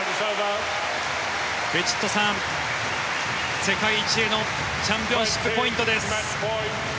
ヴィチットサーン世界一へのチャンピオンシップポイントです。